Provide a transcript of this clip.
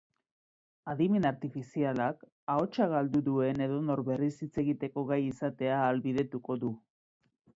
Adimen artifizialak ahotsa galdu duen edonor berriz hitz egiteko gai izatea ahalbidetuko du.